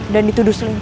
dan dituduh selingkuh